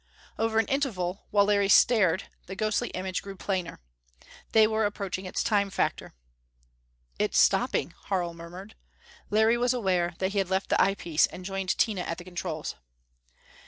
Over an interval, while Larry stared, the ghostly image grew plainer. They were approaching its Time factor! "It is stopping," Harl murmured. Larry was aware that he had left the eyepiece and joined Tina at the controls.